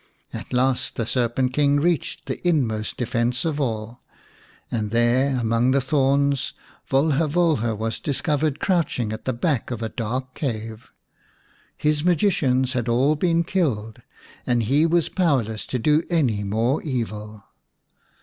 At last the Serpent King reached the inmost defence of all, and there among the thorns Volha Volha was discovered crouching at the back of a dark cave. His magicians had all been killed, and he was powerless to do any more evil.